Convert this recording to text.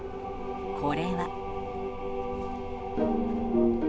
これは。